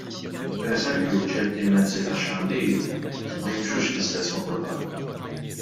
Pereżempju ċertu mezzi tax-xandir ma jimxux l-istess ma' kulħadd.